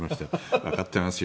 わかってますよ